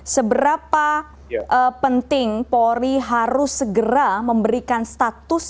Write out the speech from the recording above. seberapa penting polri harus segera memberikan status